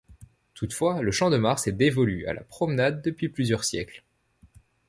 Toutefois, le Champ-de-Mars est dévolu à la promenade depuis plusieurs siècles.